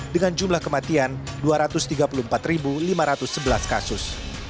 dengan jumlah kematian dua ratus tiga puluh empat lima ratus sebelas kasus